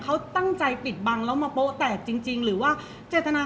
เพราะว่าสิ่งเหล่านี้มันเป็นสิ่งที่ไม่มีพยาน